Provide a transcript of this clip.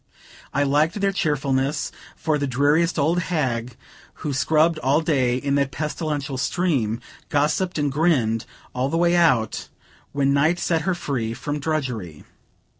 I liked their cheerfulness, for the dreariest old hag, who scrubbed all day in that pestilential steam, gossipped and grinned all the way out, when night set her free from drudgery.